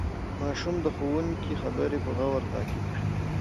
ماشوم د ښوونکي خبرې په غور تعقیب کړې